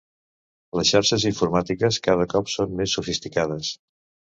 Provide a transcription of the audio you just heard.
Les xarxes informàtiques cada cop són més sofisticades.